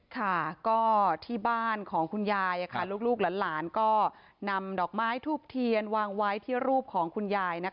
ค่ะก็ที่บ้านของคุณยายลูกหลานก็นำดอกไม้ทูบเทียนวางไว้ที่รูปของคุณยาย